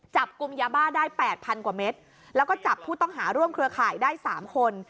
จับกลุ่มยาบ้าได้๘๐๐กว่าเม็ดแล้วก็จับผู้ต้องหาร่วมเครือข่ายได้๓คน